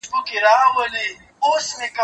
زه مخکي د کتابتون د کار مرسته کړې وه؟